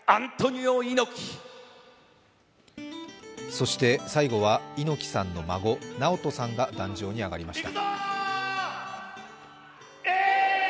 そして最後は猪木さんの孫ナオトさんが壇上に上がりました。